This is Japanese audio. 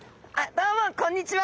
どうもこんにちは。